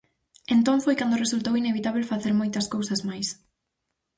Entón foi cando resultou inevitábel facer moitas cousas máis.